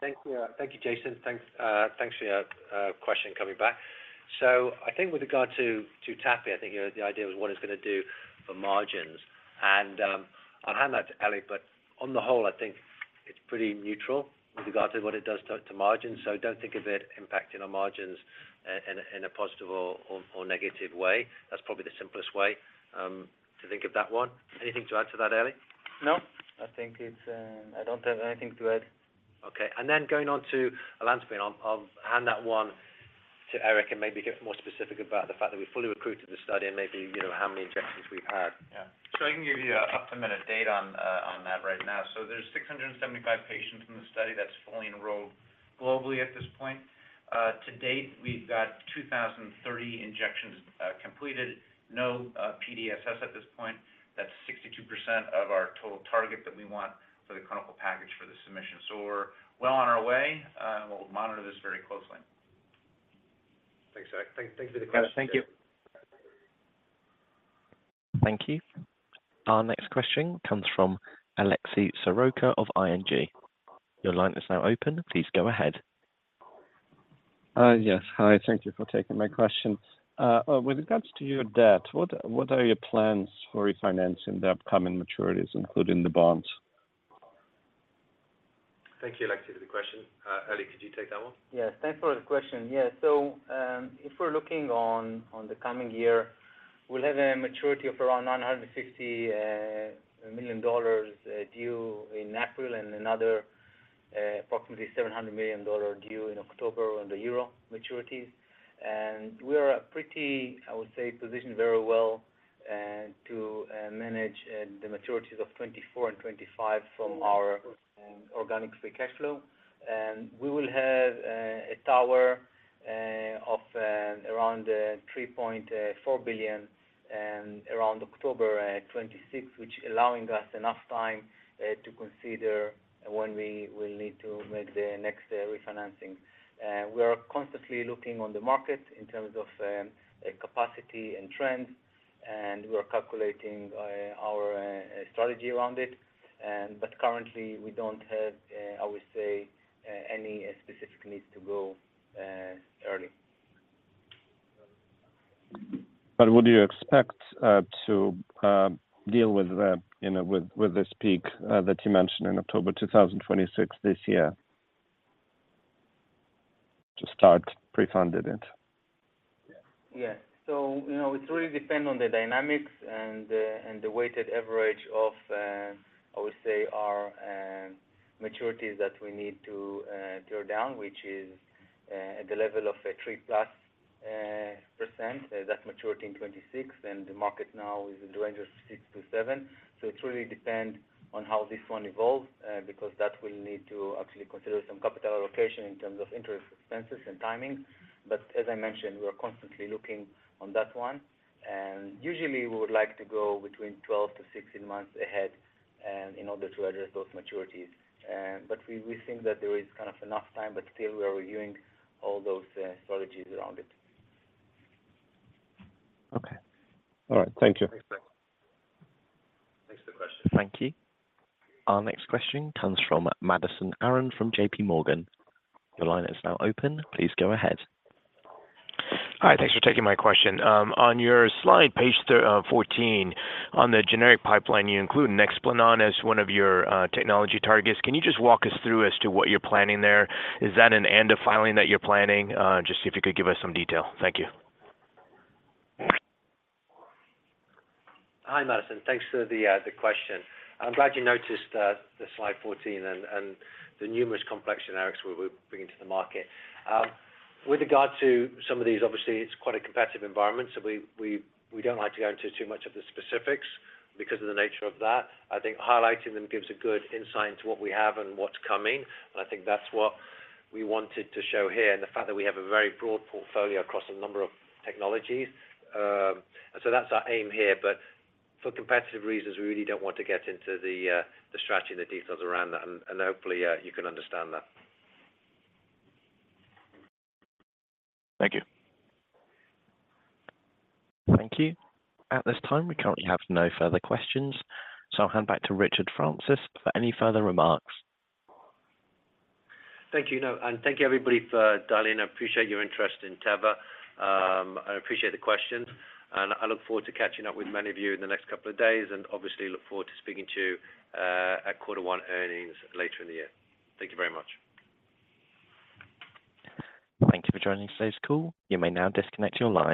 Thank you. Thank you, Jason. Thanks, thanks for your question coming back. So I think with regard to TAPI, I think, you know, the idea was what it's going to do for margins. I'll hand that to Eli, but on the whole, I think it's pretty neutral with regards to what it does to margins. So don't think of it impacting our margins in a positive or negative way. That's probably the simplest way to think of that one. Anything to add to that, Eli? No, I think it's, I don't have anything to add. Okay. And then going on to olanzapine, I'll, I'll hand that one to Eric and maybe get more specific about the fact that we fully recruited the study and maybe, you know, how many injections we've had. Yeah. So I can give you a up-to-minute date on, on that right now. So there's 675 patients in the study that's fully enrolled globally at this point. To date, we've got 2,030 injections completed, no, PDSS at this point. That's 62% of our total target that we want for the clinical package for the submission. So we're well on our way, and we'll monitor this very closely. Thanks, Eric. Thanks for the question. Thank you. Thank you. Our next question comes from Oleksiy Soroka of ING. Your line is now open. Please go ahead. Yes. Hi, thank you for taking my question. With regards to your debt, what are your plans for refinancing the upcoming maturities, including the bonds? Thank you, Alexei, for the question. Eli, could you take that one? Yes, thanks for the question. Yeah, so, if we're looking on the coming year, We'll have a maturity of around $960 million due in April, and another approximately $700 million due in October on the Euro maturities. We are pretty, I would say, positioned very well to manage and the maturities of 2024 and 2025 from our organic free cash flow. We will have a tower of around $3.4 billion around October 2026, which allowing us enough time to consider when we will need to make the next refinancing. We are constantly looking on the market in terms of capacity and trends, and we are calculating our strategy around it. But currently, we don't have, I would say, any specific needs to go early. But would you expect to deal with the, you know, with this peak that you mentioned in October 2026, this year? To start pre-funded it. Yeah. So, you know, it really depend on the dynamics and the, and the weighted average of, I would say, our, maturities that we need to, draw down, which is, at the level of 3+%. That's maturity in 2026, and the market now is in the range of 6-7%. So it really depend on how this one evolves, because that will need to actually consider some capital allocation in terms of interest expenses and timing. But as I mentioned, we are constantly looking on that one, and usually we would like to go between 12-16 months ahead, in order to address those maturities. But we, we think that there is kind of enough time, but still we are reviewing all those, strategies around it. Okay. All right. Thank you. Thanks for the question. Thank you. Our next question comes from Madison Aaron from JP Morgan. Your line is now open. Please go ahead. Hi, thanks for taking my question. On your slide, page 14, on the generic pipeline, you include Nexplanon as one of your technology targets. Can you just walk us through as to what you're planning there? Is that an end of filing that you're planning? Just see if you could give us some detail. Thank you. Hi, Madison. Thanks for the question. I'm glad you noticed the slide 14 and the numerous complex generics we're bringing to the market. With regard to some of these, obviously, it's quite a competitive environment, so we don't like to go into too much of the specifics because of the nature of that. I think highlighting them gives a good insight into what we have and what's coming, and I think that's what we wanted to show here, and the fact that we have a very broad portfolio across a number of technologies. So that's our aim here, but for competitive reasons, we really don't want to get into the strategy and the details around that, and hopefully you can understand that. Thank you. Thank you. At this time, we currently have no further questions, so I'll hand back to Richard Francis for any further remarks. Thank you. No, and thank you, everybody, for dialing. I appreciate your interest in Teva, I appreciate the questions, and I look forward to catching up with many of you in the next couple of days and obviously look forward to speaking to you, at quarter one earnings later in the year. Thank you very much. Thank you for joining today's call. You may now disconnect your line.